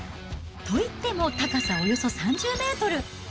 といっても高さおよそ３０メートル。